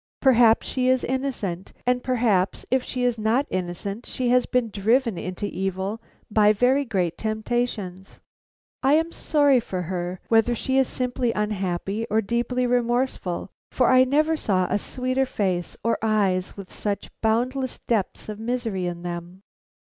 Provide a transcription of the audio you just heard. Perhaps she is innocent, and perhaps if she is not innocent, she has been driven into evil by very great temptations. I am sorry for her, whether she is simply unhappy or deeply remorseful. For I never saw a sweeter face, or eyes with such boundless depths of misery in them."